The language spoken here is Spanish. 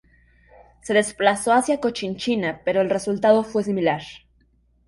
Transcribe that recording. Se desplazó hacia Cochinchina pero el resultado fue similar.